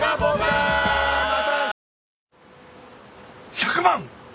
１００万！？